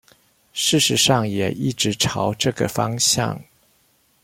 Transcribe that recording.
事實上也一直朝這個方向